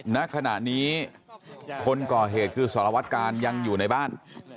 ณขณะนี้คนก่อเหตุคือสารวัตกาลยังอยู่ในบ้าน